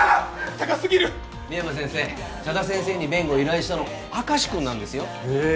高すぎる深山先生佐田先生に弁護依頼したの明石君なんですよへえ